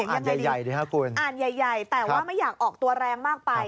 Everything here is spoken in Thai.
อ่านใหญ่แต่ว่าไม่อยากออกตัวแรงมากไป